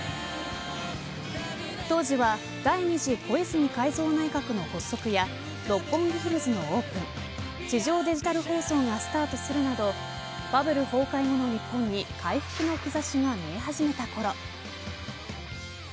当時は第２次小泉改造内閣の発足や六本木ヒルズのオープン地上デジタル放送がスタートするなどバブル崩壊後の日本に回復の兆しが見え始めたころ。